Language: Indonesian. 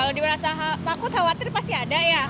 kalau di rasa takut khawatir pasti ada ya